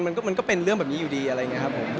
มันก็เป็นเรื่องแบบนี้อยู่ดีอะไรอย่างนี้ครับผม